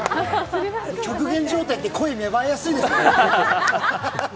極限状態って、恋が芽生えやすいですからね。